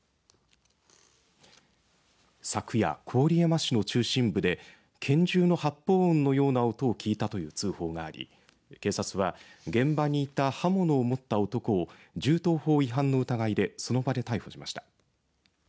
昨夜、郡山市の中心部で拳銃の発砲音のような音を聞いたという通報があり警察は、現場にいた刃物を持った男を銃刀砲違反の疑いでその場で逮捕しました。